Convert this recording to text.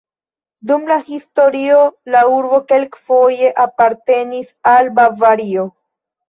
Dum la historio la urbo kelkfoje apartenis al Bavario.